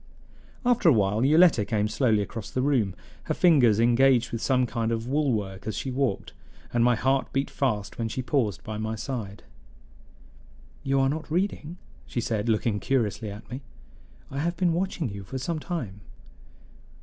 After a while Yoletta came slowly across the room, her fingers engaged with some kind of wool work as she walked, and my heart beat fast when she paused by my side. "You are not reading," she said, looking curiously at me. "I have been watching you for some time."